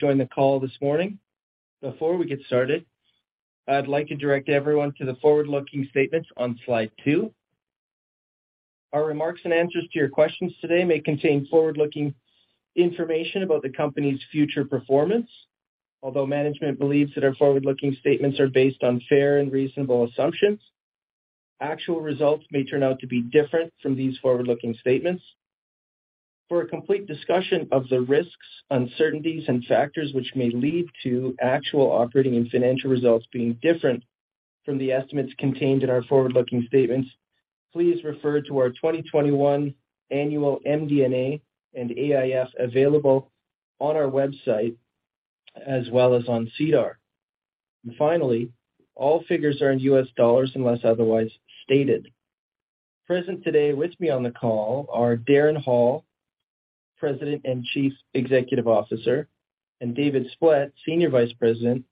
Join the call this morning. Before we get started, I'd like to direct everyone to the forward-looking statements on slide 2. Our remarks and answers to your questions today may contain forward-looking information about the company's future performance. Although management believes that our forward-looking statements are based on fair and reasonable assumptions, actual results may turn out to be different from these forward-looking statements. For a complete discussion of the risks, uncertainties, and factors which may lead to actual operating and financial results being different from the estimates contained in our forward-looking statements, please refer to our 2021 annual MD&A and AIF available on our website as well as on SEDAR. Finally, all figures are in U.S. dollars unless otherwise stated. Present today with me on the call are Darren Hall, President and Chief Executive Officer, and David Splett, Senior Vice President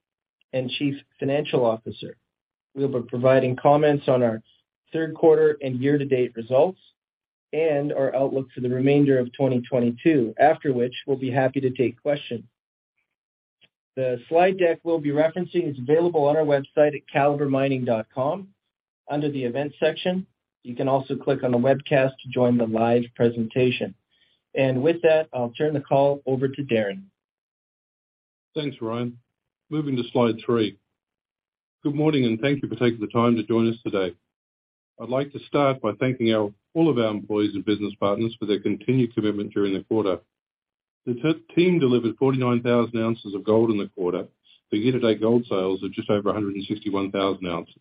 and Chief Financial Officer, who will be providing comments on our Q3 and year-to-date results and our outlook for the remainder of 2022. After which, we'll be happy to take questions. The slide deck we'll be referencing is available on our website at calibremining.com under the Events section. You can also click on the webcast to join the live presentation. With that, I'll turn the call over to Darren. Thanks, Ryan. Moving to slide three. Good morning, and thank you for taking the time to join us today. I'd like to start by thanking all of our employees and business partners for their continued commitment during the quarter. The Q3 delivered 49,000 ounces of gold in the quarter. The year-to-date gold sales are just over 161,000 ounces.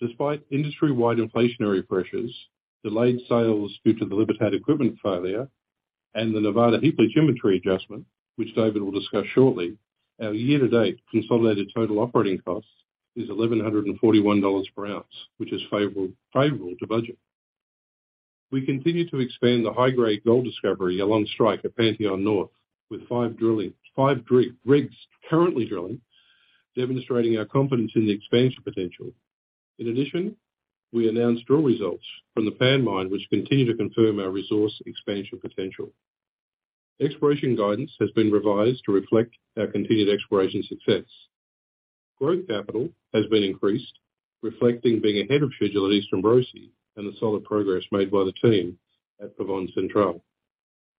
Despite industry-wide inflationary pressures, delayed sales due to the Libertad equipment failure, and the Nevada heap leach inventory adjustment, which David will discuss shortly, our year-to-date consolidated total operating costs is $1,141 per ounce, which is favorable to budget. We continue to expand the high-grade gold discovery along strike at Pantheon North with five drill rigs currently drilling, demonstrating our confidence in the expansion potential. In addition, we announced drill results from the Pavón Mine, which continue to confirm our resource expansion potential. Exploration guidance has been revised to reflect our continued exploration success. Growth capital has been increased, reflecting being ahead of schedule at Eastern Borosi and the solid progress made by the team at Pavón Central.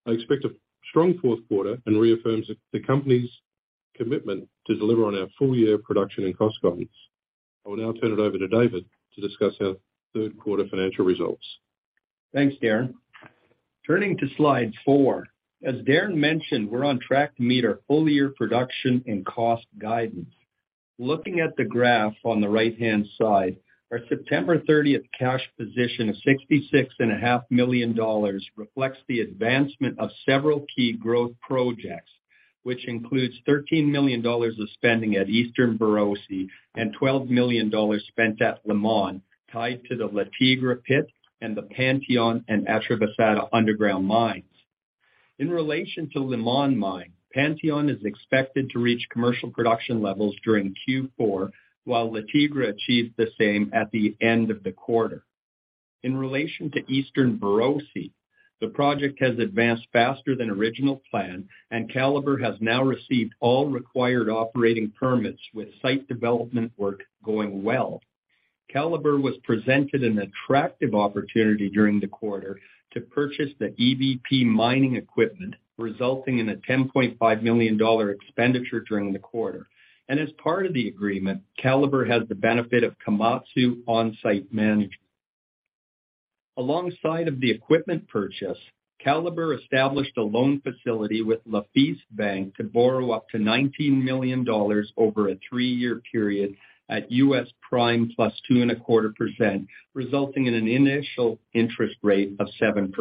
I expect a strong Q4 and reaffirms the company's commitment to deliver on our full-year production and cost guidance. I will now turn it over to David to discuss our Q3 financial results. Thanks, Darren. Turning to slide 4. As Darren mentioned, we're on track to meet our full-year production and cost guidance. Looking at the graph on the right-hand side, our September 30th cash position of $66.5 million reflects the advancement of several key growth projects, which includes $13 million of spending at Eastern Borosi and $12 million spent at Limón, tied to the La Tigra pit and the Pantheon and Atravesada underground mines. In relation to Limón Mine, Pantheon is expected to reach commercial production levels during Q4, while La Tigra achieved the same at the end of the quarter. In relation to Eastern Borosi, the project has advanced faster than original plan, and Calibre has now received all required operating permits, with site development work going well. Calibre was presented an attractive opportunity during the quarter to purchase the EBP mining equipment, resulting in a $10.5 million expenditure during the quarter. Calibre has the benefit of Komatsu on-site management. Alongside of the equipment purchase, Calibre established a loan facility with Lafise Bank to borrow up to $19 million over a three-year period at U.S. prime + 2.25%, resulting in an initial interest rate of 7%.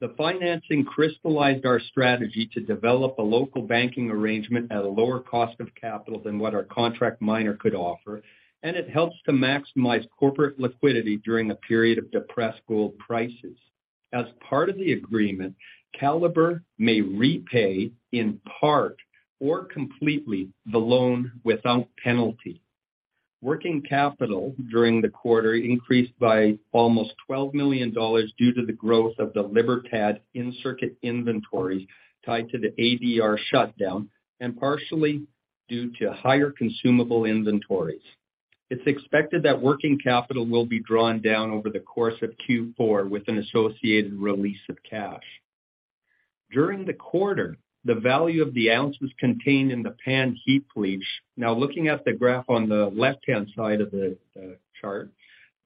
The financing crystallized our strategy to develop a local banking arrangement at a lower cost of capital than what our contract miner could offer, and it helps to maximize corporate liquidity during a period of depressed gold prices. As part of the agreement, Calibre may repay, in part or completely, the loan without penalty. Working capital during the quarter increased by almost $12 million due to the growth of the Libertad in-circuit inventory tied to the ADR shutdown and partially due to higher consumable inventories. It's expected that working capital will be drawn down over the course of Q4 with an associated release of cash. Now, looking at the graph on the left-hand side of the chart.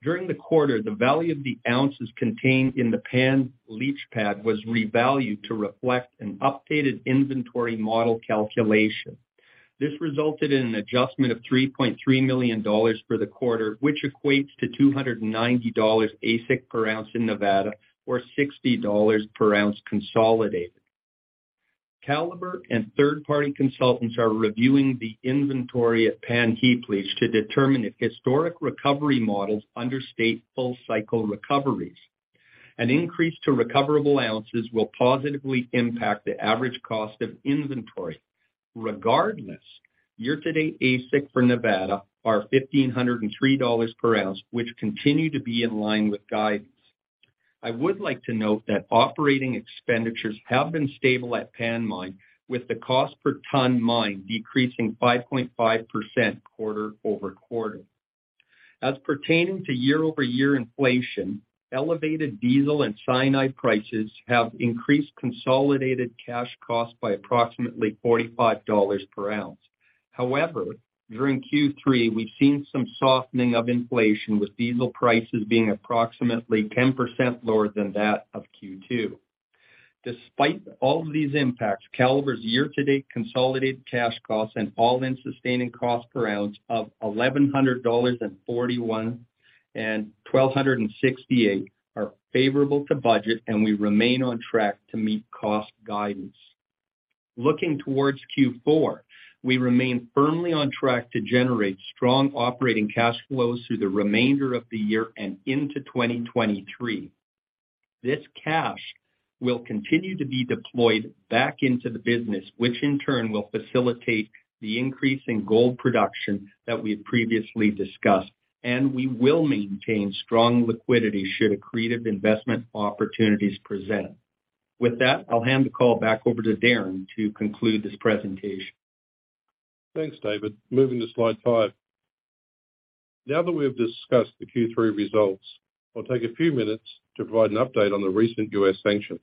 During the quarter, the value of the ounces contained in the Pan leach pad was revalued to reflect an updated inventory model calculation. This resulted in an adjustment of $3.3 million for the quarter, which equates to $290 AISC per ounce in Nevada or $60 per ounce consolidated. Calibre and third-party consultants are reviewing the inventory at Pan heap leach to determine if historic recovery models understate full-cycle recoveries. An increase to recoverable ounces will positively impact the average cost of inventory. Regardless, year-to-date AISC for Nevada are $1,503 per ounce, which continue to be in line with guidance. I would like to note that operating expenditures have been stable at Pan Mine, with the cost per ton mined decreasing 5.5% quarter-over-quarter. As pertaining to year-over-year inflation, elevated diesel and cyanide prices have increased consolidated cash costs by approximately $45 per ounce. However, during Q3, we've seen some softening of inflation, with diesel prices being approximately 10% lower than that of Q2. Despite all of these impacts, Calibre's year-to-date consolidated cash costs and all-in sustaining cost per ounce of $1,141 and $1,268 are favorable to budget, and we remain on track to meet cost guidance. Looking towards Q4, we remain firmly on track to generate strong operating cash flows through the remainder of the year and into 2023. This cash will continue to be deployed back into the business, which in turn will facilitate the increase in gold production that we've previously discussed. We will maintain strong liquidity should accretive investment opportunities present. With that, I'll hand the call back over to Darren to conclude this presentation. Thanks, David. Moving to slide 5. Now that we have discussed the Q3 results, I'll take a few minutes to provide an update on the recent U.S. Sanctions.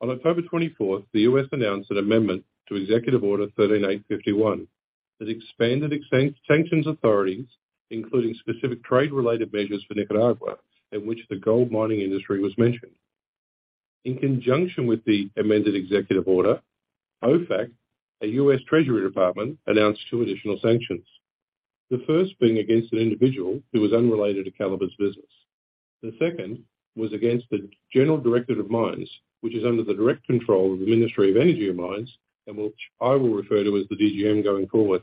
On October 24th, the U.S. Announced an amendment to Executive Order 13851 that expanded existing sanctions authorities, including specific trade-related measures for Nicaragua, in which the gold mining industry was mentioned. In conjunction with the amended executive order, OFAC, the U.S. Treasury Department, announced two additional sanctions. The first being against an individual who was unrelated to Calibre's business. The second was against the General Directorate of Mines, which is under the direct control of the Ministry of Energy and Mines, and which I will refer to as the DGM going forward.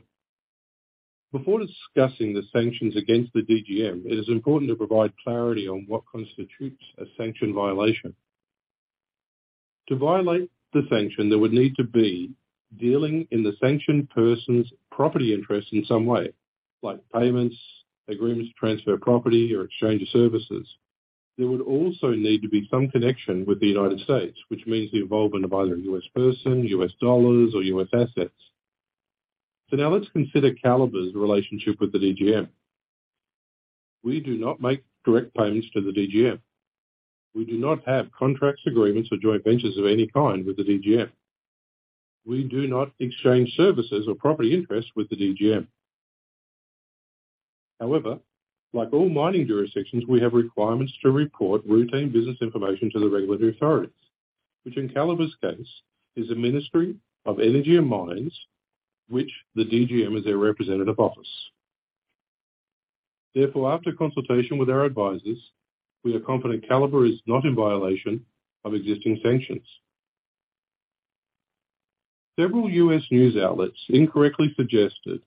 Before discussing the sanctions against the DGM, it is important to provide clarity on what constitutes a sanction violation. To violate the sanction, there would need to be dealing in the sanctioned person's property interest in some way, like payments, agreements to transfer property or exchange of services. There would also need to be some connection with the United States, which means the involvement of either a U.S. person, U.S. dollars, or U.S. assets. Now let's consider Calibre's relationship with the DGM. We do not make direct payments to the DGM. We do not have contracts, agreements or joint ventures of any kind with the DGM. We do not exchange services or property interests with the DGM. However, like all mining jurisdictions, we have requirements to report routine business information to the regulatory authorities, which in Calibre's case is the Ministry of Energy and Mines, which the DGM is their representative office. Therefore, after consultation with our advisors, we are confident Calibre is not in violation of existing sanctions. Several U.S. news outlets incorrectly suggested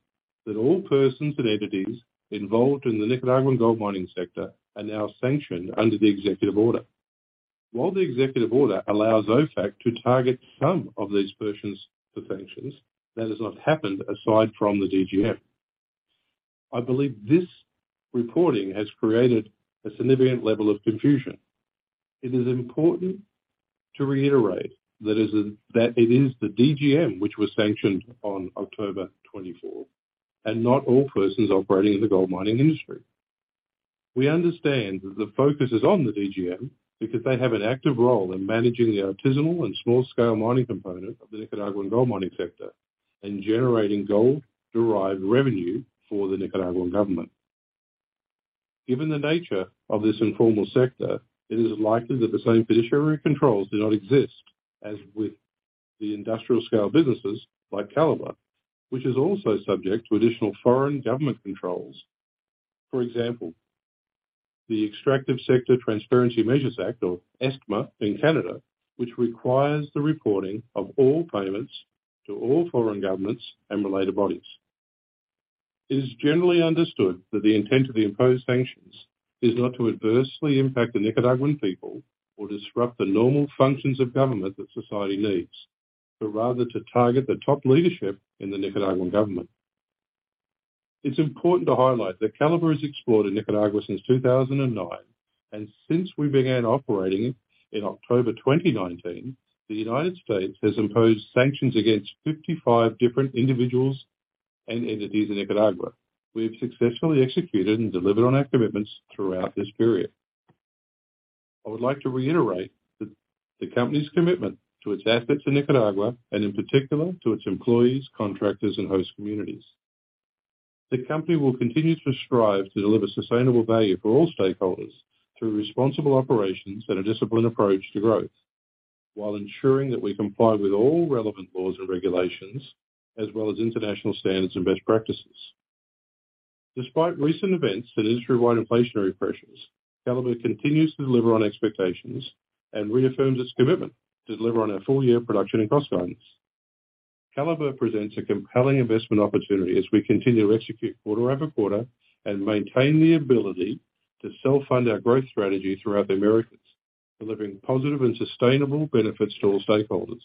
that all persons and entities involved in the Nicaraguan gold mining sector are now sanctioned under the executive order. While the executive order allows OFAC to target some of these persons for sanctions, that has not happened aside from the DGM. I believe this reporting has created a significant level of confusion. It is important to reiterate that it is the DGM which was sanctioned on October 24th, and not all persons operating in the gold mining industry. We understand that the focus is on the DGM because they have an active role in managing the artisanal and small-scale mining component of the Nicaraguan gold mining sector and generating gold-derived revenue for the Nicaraguan government. Given the nature of this informal sector, it is likely that the same fiduciary controls do not exist as with the industrial-scale businesses like Calibre, which is also subject to additional foreign government controls. For example, the Extractive Sector Transparency Measures Act, or ESTMA in Canada, which requires the reporting of all payments to all foreign governments and related bodies. It is generally understood that the intent of the imposed sanctions is not to adversely impact the Nicaraguan people or disrupt the normal functions of government that society needs, but rather to target the top leadership in the Nicaraguan government. It's important to highlight that Calibre has explored in Nicaragua since 2009, and since we began operating in October 2019, the United States has imposed sanctions against 55 different individuals and entities in Nicaragua. We have successfully executed and delivered on our commitments throughout this period. I would like to reiterate the company's commitment to its assets in Nicaragua and in particular to its employees, contractors, and host communities. The company will continue to strive to deliver sustainable value for all stakeholders through responsible operations and a disciplined approach to growth, while ensuring that we comply with all relevant laws and regulations as well as international standards and best practices. Despite recent events and industry-wide inflationary pressures, Calibre continues to deliver on expectations and reaffirms its commitment to deliver on our full-year production and cost guidance. Calibre presents a compelling investment opportunity as we continue to execute quarter-over-quarter and maintain the ability to self-fund our growth strategy throughout the Americas, delivering positive and sustainable benefits to all stakeholders.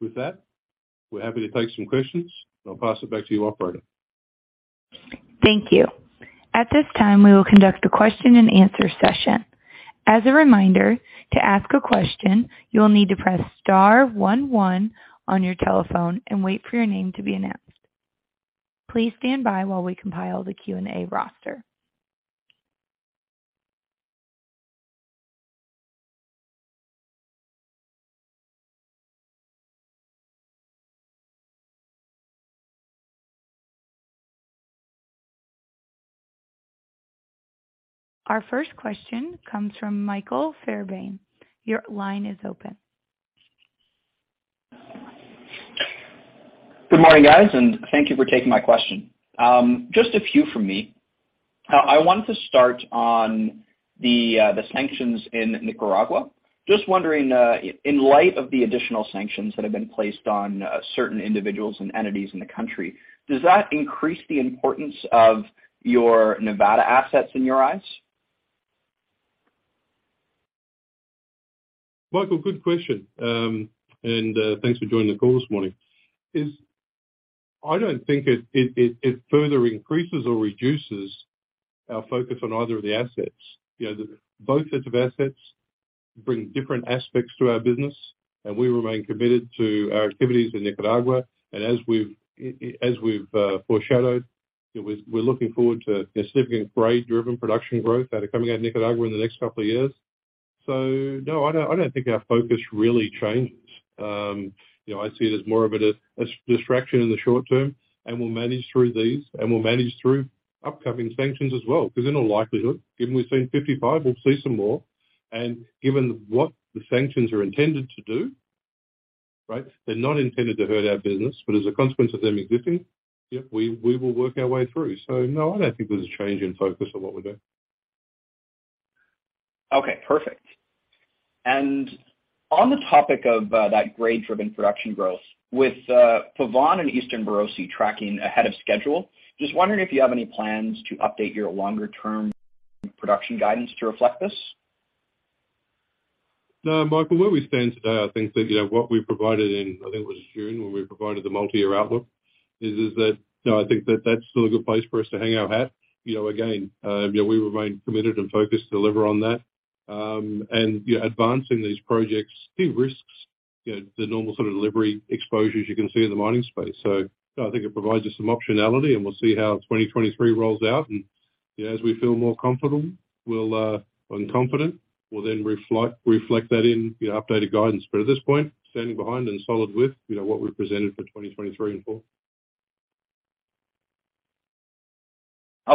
With that, we're happy to take some questions. I'll pass it back to you, operator. Thank you. At this time, we will conduct a question-and-answer session. As a reminder, to ask a question, you will need to press star one one on your telephone and wait for your name to be announced. Please stand by while we compile the Q&A roster. Our first question comes from Michael Fairbairn. Your line is open. Good morning, guys, and thank you for taking my question. Just a few from me. I want to start on the sanctions in Nicaragua. Just wondering, in light of the additional sanctions that have been placed on certain individuals and entities in the country, does that increase the importance of your Nevada assets in your eyes? Michael, good question. Thanks for joining the call this morning. I don't think it further increases or reduces our focus on either of the assets. Both sets of assets bring different aspects to our business, and we remain committed to our activities in Nicaragua. As we've foreshadowed, we're looking forward to a significant grade-driven production growth coming out of Nicaragua in the next couple of years. No, I don't think our focus really changes. I see it as more of a distraction in the short term, and we'll manage through these, and we'll manage through upcoming sanctions as well. 'Cause in all likelihood, given we've seen 55, we'll see some more. Given what the sanctions are intended to do, right, they're not intended to hurt our business, but as a consequence of them existing, yeah, we will work our way through. No, I don't think there's a change in focus on what we're doing. Okay, perfect. On the topic of that grade-driven production growth, with Pavón and Eastern Borosi tracking ahead of schedule, just wondering if you have any plans to update your longer-term production guidance to reflect this? No, Michael, where we stand today, I think that what we provided in, I think it was June, when we provided the multi-year outlook is that I think that that's still a good place for us to hang our hat. Again we remain committed and focused to deliver on that. Advancing these projects, key risks the normal sort of delivery exposures you can see in the mining space. I think it provides us some optionality, and we'll see how 2023 rolls out. As we feel more comfortable and confident, we'll then reflect that in updated guidance. But at this point, standing behind and solid with what we've presented for 2023 and 2024.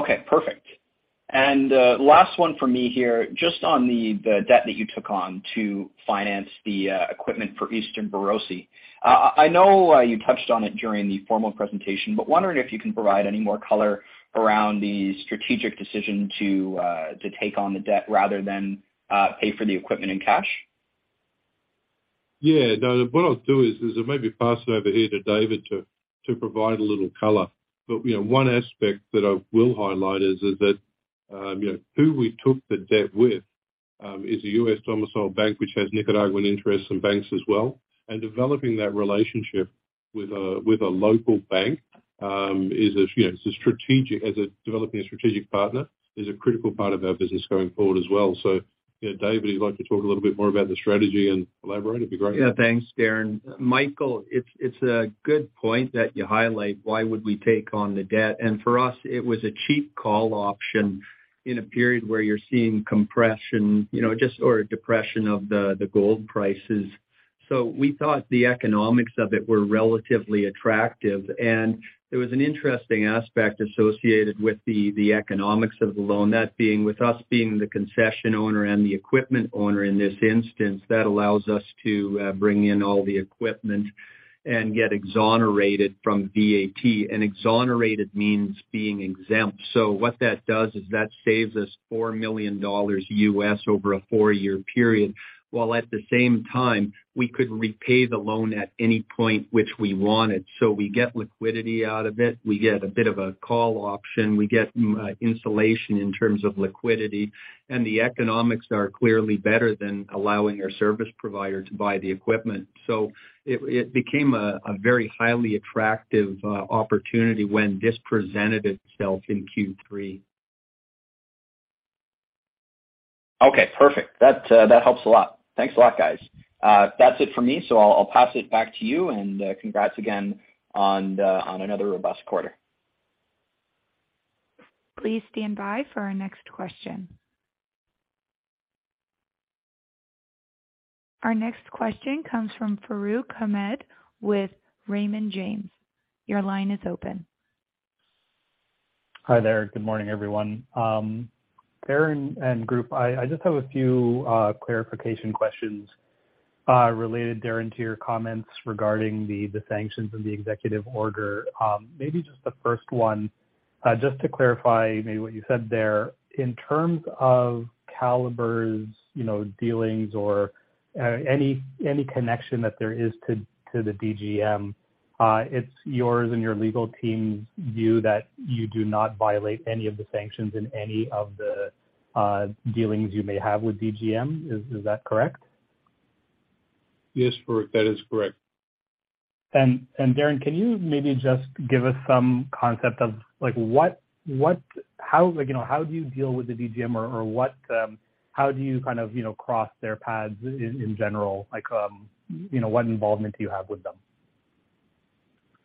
Okay, perfect. Last one for me here, just on the debt that you took on to finance the equipment for Eastern Borosi. I know you touched on it during the formal presentation, but wondering if you can provide any more color around the strategic decision to take on the debt rather than pay for the equipment in cash. Yeah. No, what I'll do is, I'll maybe pass it over here to David to provide a little color. One aspect that I will highlight is that who we took the debt with is a U.S. domiciled bank which has Nicaraguan interests and banks as well. Developing that relationship with a local bank is a strategic, as developing a strategic partner, is a critical part of our business going forward as well. David, you'd like to talk a little bit more about the strategy and elaborate. It'd be great. Yeah. Thanks, Darren. Michael, it's a good point that you highlight why would we take on the debt. For us, it was a cheap call option in a period where you're seeing compression just or a depression of the gold prices. We thought the economics of it were relatively attractive. There was an interesting aspect associated with the economics of the loan, that being with us being the concession owner and the equipment owner in this instance, that allows us to bring in all the equipment and get exonerated from VAT. Exonerated means being exempt. What that does is that saves us $4 million over a four-year period, while at the same time, we could repay the loan at any point which we wanted. We get liquidity out of it, we get a bit of a call option, we get insulation in terms of liquidity, and the economics are clearly better than allowing our service provider to buy the equipment. It became a very highly attractive opportunity when this presented itself in Q3. Okay, perfect. That helps a lot. Thanks a lot, guys. That's it for me, so I'll pass it back to you. Congrats again on another robust quarter. Please stand by for our next question. Our next question comes from Farooq Ahmed with Raymond James. Your line is open. Hi there. Good morning, everyone. Darren and group, I just have a few clarification questions related, Darren, to your comments regarding the sanctions and the executive order. Maybe just the first one, just to clarify maybe what you said there. In terms of calibre's dealings or any connection that there is to the DGM, it's yours and your legal team's view that you do not violate any of the sanctions in any of the dealings you may have with DGM. Is that correct? Yes, Farooq, that is correct. Darren, can you maybe just give us some concept of like how, like how do you deal with the DGM or how do you kind of cross their paths in general? like what involvement do you have with them?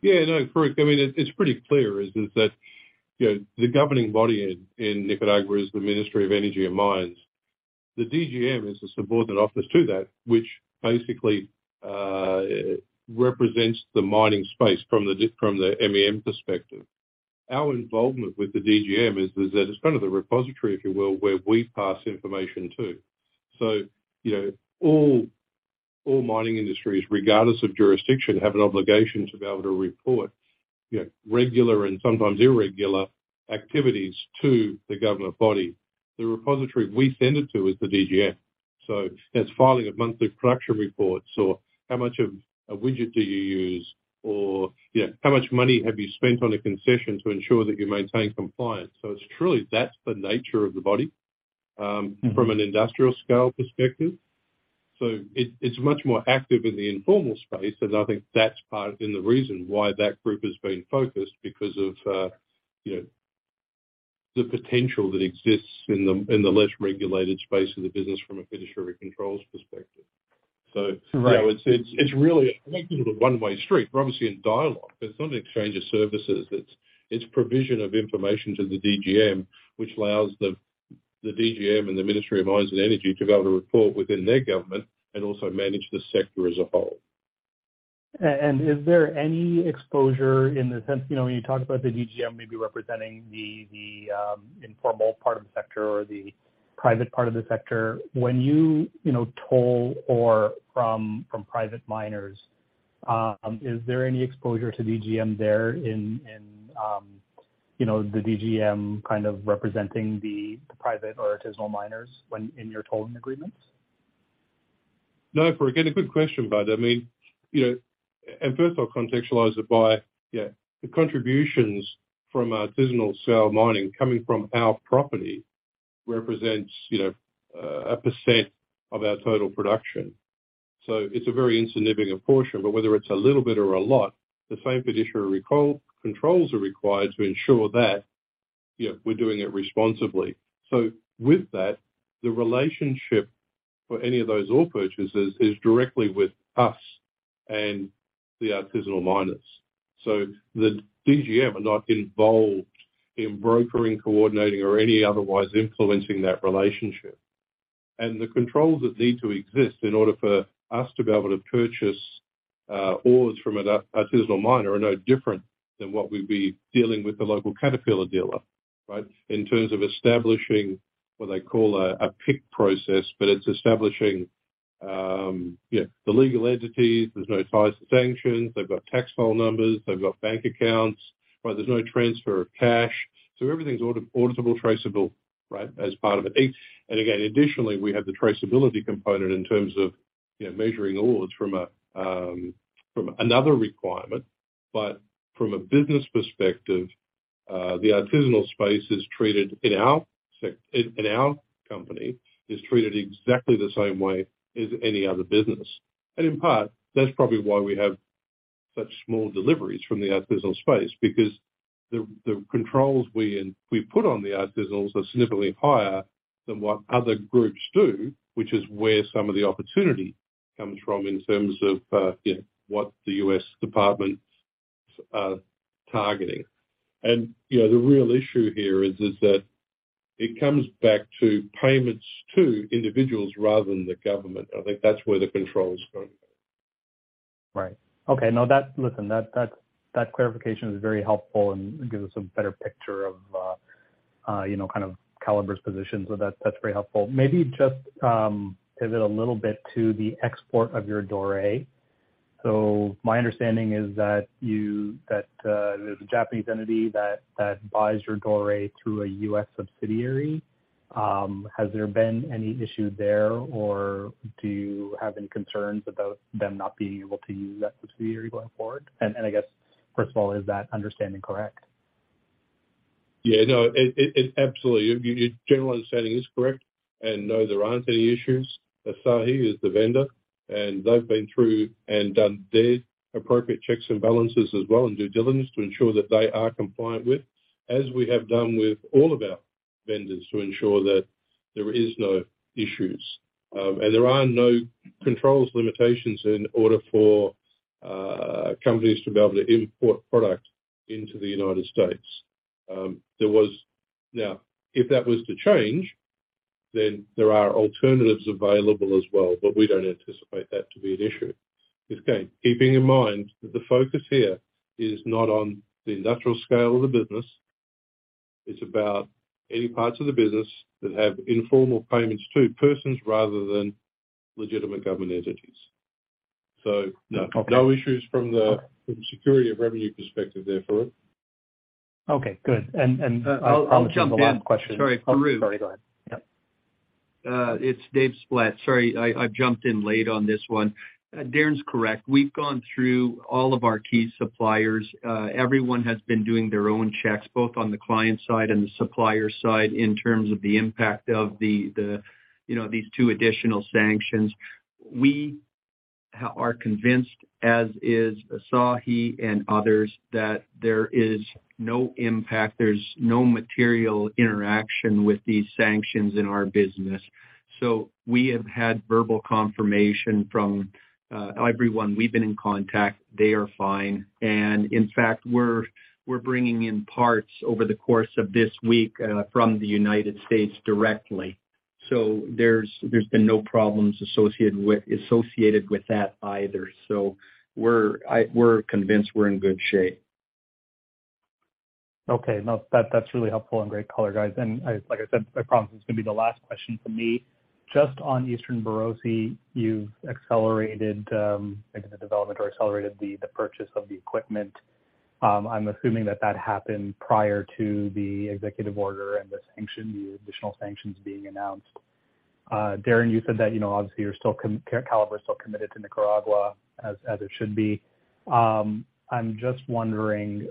Yeah, no, Farooq. I mean, it's pretty clear that the governing body in Nicaragua is the Ministry of Energy and Mines. The DGM is the subordinate office to that, which basically represents the mining space from the MEM perspective. Our involvement with the DGM is that it's kind of the repository, if you will, where we pass information to. All mining industries, regardless of jurisdiction, have an obligation to be able to report regular and sometimes irregular activities to the government body. The repository we send it to is the DGM. That's filing of monthly production reports or how much of a widget do you use? or how much money have you spent on a concession to ensure that you maintain compliance? It's truly that's the nature of the body. Mm. from an industrial scale perspective. It's much more active in the informal space, and I think that's part of the reason why that group has been focused because of the potential that exists in the less regulated space of the business from a fiduciary controls perspective. Right., it's really, I think it's a one-way street. We're obviously in dialogue. It's not an exchange of services. It's provision of information to the DGM, which allows the DGM and the Ministry of Energy and Mines to be able to report within their government and also manage the sector as a whole. Is there any exposure in the sense when you talk about the DGM maybe representing the informal part of the sector or the private part of the sector. When, toll ore from private miners, is there any exposure to DGM there in the DGM kind of representing the private or artisanal miners when in your tolling agreements? No, Farooq. A good question, bud. I mean first I'll contextualize it by the contributions from artisanal small-scale mining coming from our property represents a % of our total production. It's a very insignificant portion. Whether it's a little bit or a lot, the same fiduciary controls are required to ensure that we're doing it responsibly. With that, the relationship for any of those ore purchases is directly with us and the artisanal miners. The DGM are not involved in brokering, coordinating, or otherwise influencing that relationship. The controls that need to exist in order for us to be able to purchase, ores from an artisanal miner are no different than what we'd be dealing with the local Caterpillar dealer, right? In terms of establishing what they call a pick process, but it's establishing the legal entities. There's no ties to sanctions. They've got tax file numbers. They've got bank accounts. Right? There's no transfer of cash. So everything's auditable, traceable, right, as part of it. Additionally, we have the traceability component in terms of measuring ores for another requirement. From a business perspective, the artisanal space is treated in our company exactly the same way as any other business. In part, that's probably why we have such small deliveries from the artisanal space because the controls we put on the artisanals are significantly higher than what other groups do, which is where some of the opportunity comes from in terms of what the U.S. departments are targeting. The real issue here is that it comes back to payments to individuals rather than the government. I think that's where the control is going. Right. Okay. No, listen, that clarification is very helpful and gives us a better picture of kind of Calibre's position. That's very helpful. Maybe just pivot a little bit to the export of your doré. My understanding is that there's a Japanese entity that buys your doré through a U.S. subsidiary. Has there been any issue there, or do you have any concerns about them not being able to use that subsidiary going forward? I guess, first of all, is that understanding correct? Yeah, no. It absolutely. Your general understanding is correct. No, there aren't any issues. Asahi is the vendor, and they've been through and done their appropriate checks and balances as well, and due diligence to ensure that they are compliant with, as we have done with all of our vendors to ensure that there is no issues. There are no controls limitations in order for companies to be able to import product into the United States. Now, if that was to change, then there are alternatives available as well, but we don't anticipate that to be an issue. Because again, keeping in mind that the focus here is not on the industrial scale of the business, it's about any parts of the business that have informal payments to persons rather than legitimate government entities. Okay. No issues from the- Okay. From certainty of revenue perspective there, Farooq. Okay, good. I'll jump in. I promise it's the last question. Sorry, Farooq. Sorry, go ahead. Yep. It's David Splett. Sorry, I jumped in late on this one. Darren's correct. We've gone through all of our key suppliers. Everyone has been doing their own checks, both on the client side and the supplier side in terms of the impact of the these two additional sanctions. We are convinced, as is Asahi and others, that there is no impact, there's no material interaction with these sanctions in our business. We have had verbal confirmation from everyone we've been in contact. They are fine. In fact, we're bringing in parts over the course of this week from the United States directly. There's been no problems associated with that either. We're convinced we're in good shape. Okay. No, that's really helpful and great color, guys. Like I said, I promise it's gonna be the last question from me. Just on Eastern Borosi, you've accelerated, I think the development or accelerated the purchase of the equipment. I'm assuming that that happened prior to the Executive Order and the sanction, the additional sanctions being announced. Darren, you said that obviously Calibre is still committed to Nicaragua, as it should be. I'm just wondering,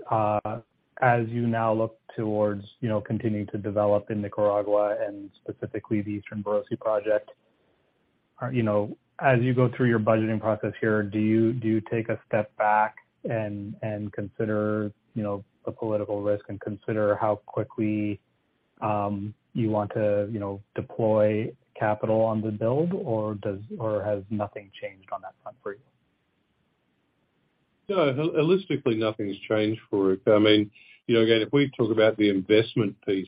as you now look towards continuing to develop in Nicaragua and specifically the Eastern Borosi project as you go through your budgeting process here, do you take a step back and consider the political risk and consider how quickly you want to deploy capital on the build, or has nothing changed on that front for you? No, holistically, nothing's changed for it. I mean again, if we talk about the investment piece,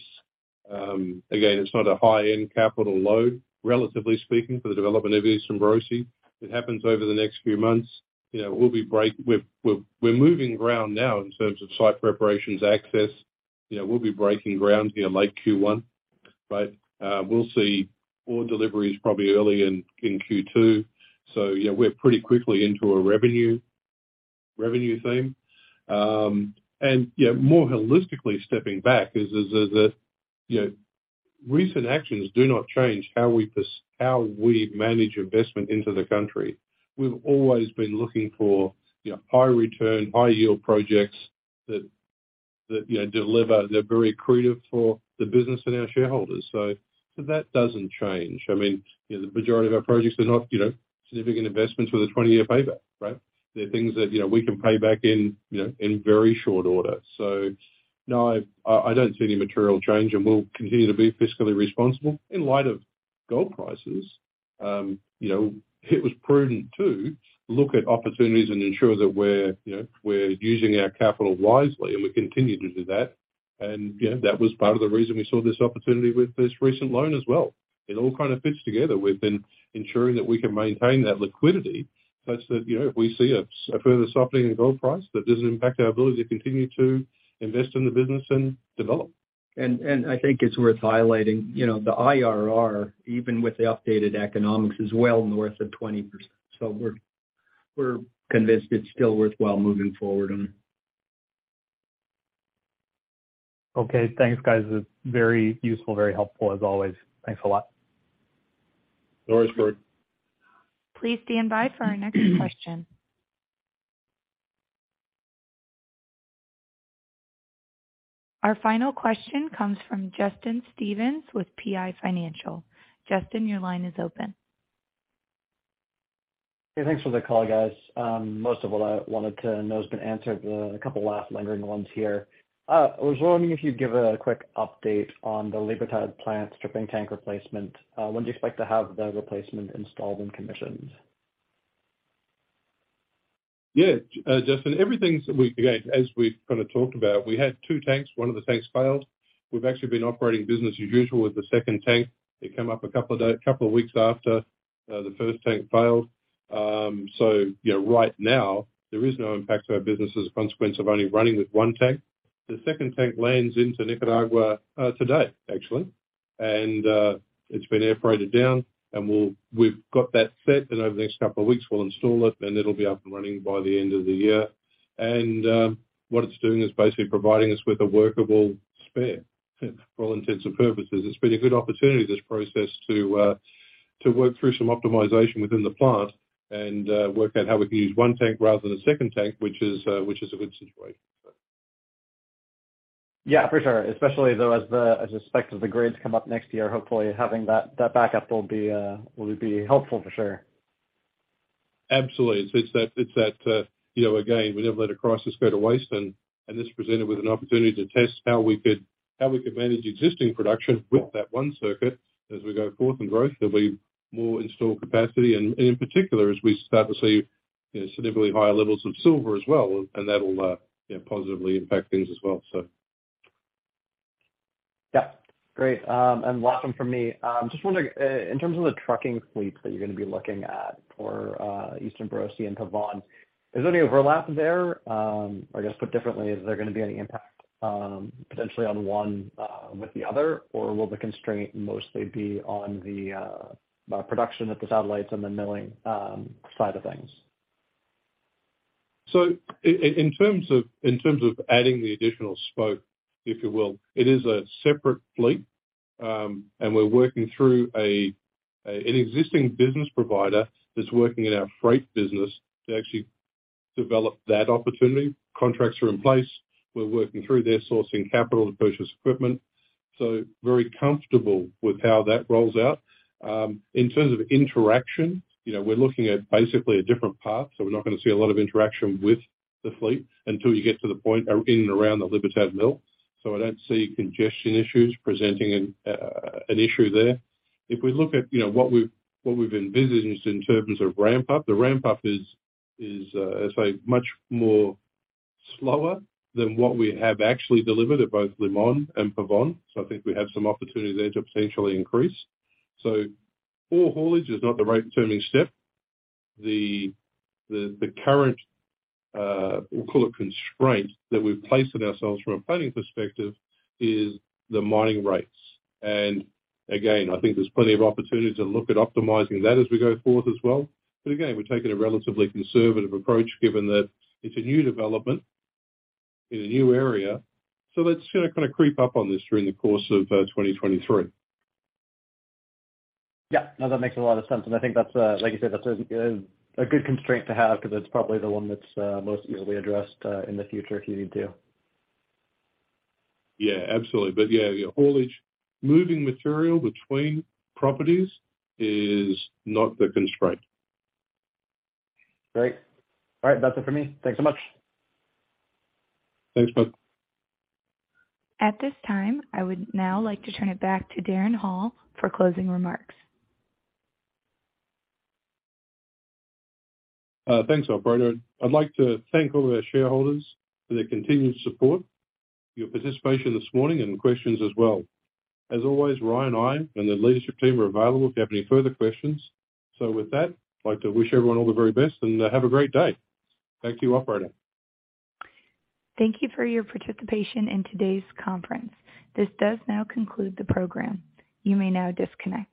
again, it's not a high-end capital load, relatively speaking, for the development of Eastern Borosi. It happens over the next few months. We're moving ground now in terms of site preparations, access. We'll be breaking ground here late Q1, right? We'll see ore deliveries probably early in Q2. Yeah, we're pretty quickly into a revenue theme. Yeah, more holistically stepping back is that recent actions do not change how we manage investment into the country. We've always been looking for high return, high yield projects that deliver. They're very accretive for the business and our shareholders. That doesn't change. I mean the majority of our projects are not significant investments with a 20-year payback, right? They're things that we can pay back in in very short order. No, I don't see any material change, and we'll continue to be fiscally responsible in light of gold prices. It was prudent to look at opportunities and ensure that we're we're using our capital wisely, and we continue to do that. That was part of the reason we saw this opportunity with this recent loan as well. It all kind of fits together. We've been ensuring that we can maintain that liquidity such that if we see a further softening in gold price, that doesn't impact our ability to continue to invest in the business and develop. I think it's worth highlighting the IRR, even with the updated economics, is well north of 20%. We're convinced it's still worthwhile moving forward on it. Okay. Thanks, guys. Very useful, very helpful as always. Thanks a lot. No worries, Farooq. Please stand by for our next question. Our final question comes from Justin Stevens with PI Financial. Justin, your line is open. Hey, thanks for the call, guys. Most of what I wanted to know has been answered. A couple last lingering ones here. I was wondering if you'd give a quick update on the Libertad plant stripping tank replacement. When do you expect to have the replacement installed and commissioned? Yeah, Justin. Again, as we've kind of talked about, we had two tanks. One of the tanks failed. We've actually been operating business as usual with the second tank. It came up a couple of weeks after the first tank failed. Right now, there is no impact to our business as a consequence of only running with one tank. The second tank lands into Nicaragua today, actually. It's been air freighted down, and we've got that set, and over the next couple of weeks, we'll install it, and it'll be up and running by the end of the year. What it's doing is basically providing us with a workable spare, for all intents and purposes. It's been a good opportunity, this process, to work through some optimization within the plant and work out how we can use one tank rather than a second tank, which is a good situation, so. Yeah, for sure. Especially though, as the spec of the grades come up next year, hopefully having that backup will be helpful for sure. Absolutely. It's that again, we never let a crisis go to waste and this presented with an opportunity to test how we could manage existing production with that one circuit. As we go forth in growth, there'll be more installed capacity and in particular, as we start to see significantly higher levels of silver as well, and that'll positively impact things as well. Yeah. Great. Last one from me. Just wondering, in terms of the trucking fleet that you're gonna be looking at for Eastern Borosi and Pavón, is there any overlap there? I guess put differently, is there gonna be any impact, potentially on one with the other? Or will the constraint mostly be on the production at the satellites and the milling side of things? In terms of adding the additional spoke, if you will, it is a separate fleet, and we're working through an existing business provider that's working in our freight business to actually develop that opportunity. Contracts are in place. We're working through their sourcing capital to purchase equipment, so very comfortable with how that rolls out. In terms of interaction we're looking at basically a different path, so we're not gonna see a lot of interaction with the fleet until you get to the point or in and around the Libertad mill. I don't see congestion issues presenting an issue there. If we look at what we've envisaged in terms of ramp up, the ramp up is I say much more slower than what we have actually delivered at both Limón and Pavón. I think we have some opportunities there to potentially increase. Ore haulage is not the rate determining step. The current we'll call it constraint that we've placed on ourselves from a planning perspective is the mining rates. Again, I think there's plenty of opportunities to look at optimizing that as we go forth as well. Again, we're taking a relatively conservative approach, given that it's a new development in a new area. Let's sort of creep up on this during the course of 2023. Yeah. No, that makes a lot of sense. I think that's, like you said, that's a good constraint to have because it's probably the one that's most easily addressed in the future if you need to. Yeah, absolutely. Yeah, your haulage. Moving material between properties is not the constraint. Great. All right, that's it for me. Thanks so much. Thanks, bud. At this time, I would now like to turn it back to Darren Hall for closing remarks. Thanks, operator. I'd like to thank all of our shareholders for their continued support, your participation this morning, and questions as well. As always, Ryan, I, and the leadership team are available if you have any further questions. With that, I'd like to wish everyone all the very best and have a great day. Thank you, operator. Thank you for your participation in today's conference. This does now conclude the program. You may now disconnect.